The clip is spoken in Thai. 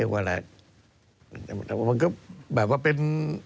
มันก็แบบว่าเป็น